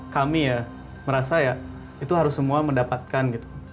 kami ya merasa ya itu harus semua mendapatkan gitu